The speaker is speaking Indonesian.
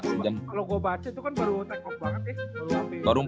kalau gue baca itu kan baru tekok banget